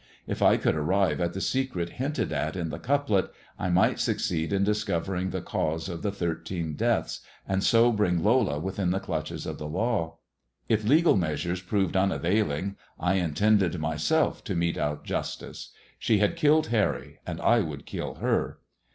If I could arrive at the secret hinted at in the couplet, I might succeed in discovering the 'THE TALE OF THE TURQUOISE SKULL ' 237 cause of the thirteen deaths, and so bring Lola within the clutches of the law. If legal measures proved unavailing I intended myself to mete out justice. She had killed Harry, and I would kill her.